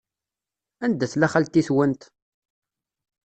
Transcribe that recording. Anda tella xalti-twent?